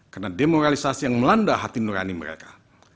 karena demoralisasi yang melanda hati nurani mereka